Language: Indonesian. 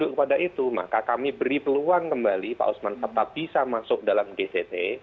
kepada itu maka kami beri peluang kembali pak usman sabta bisa masuk dalam gct